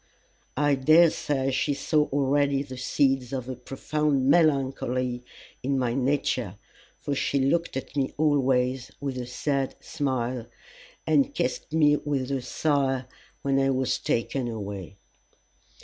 I dare say she saw already the seeds of a profound melancholy in my nature, for she looked at me always with a sad smile, and kissed me with a sigh when I was taken away.